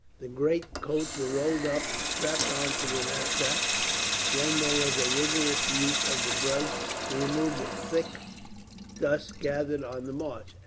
The greatcoats were rolled up and strapped on to the knapsacks, then there was a vigorous use of the brush, to remove the thick dust gathered on the march.